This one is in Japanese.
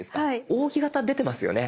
扇形出てますよね？